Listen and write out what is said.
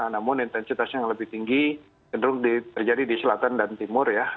namun intensitasnya yang lebih tinggi cenderung terjadi di selatan dan timur ya